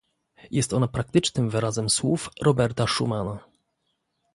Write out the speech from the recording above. Jest ona praktycznym wyrazem słów Roberta Schumana